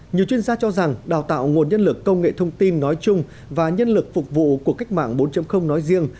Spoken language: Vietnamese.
nhiều chuyên gia cho rằng đào tạo nguồn nhân lực công nghệ thông tin nói chung và nhân lực phục vụ của cách mạng bốn nói riêng